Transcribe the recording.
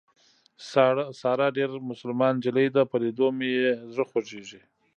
ساره ډېره مسلمان نجلۍ ده په لیدو مې یې زړه خوږېږي.